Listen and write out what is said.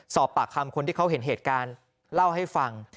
สอบปากคำคนที่เขาเห็นเหตุการณ์เล่าให้ฟัง